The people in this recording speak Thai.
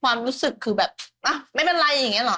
ความรู้สึกคือแบบไม่เป็นไรอย่างนี้หรอ